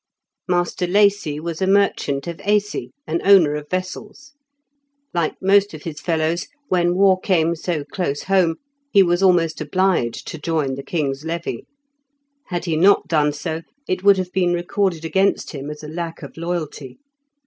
Master Lacy was a merchant of Aisi, an owner of vessels. Like most of his fellows, when war came so close home, he was almost obliged to join the king's levy. Had he not done so it would have been recorded against him as a lack of loyalty.